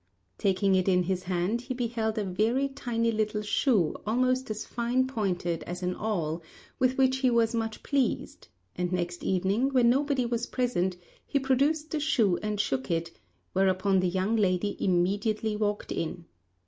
Taking it in his hand he beheld a very tiny little shoe almost as fine pointed as an awl, with which he was much pleased; and next evening, when nobody was present, he produced the shoe and shook it, whereupon the young lady immediately walked in.